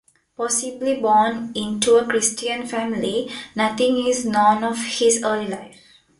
Possibly born into a Christian family, nothing is known of his early life.